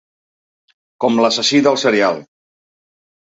Com l'assassí del serial.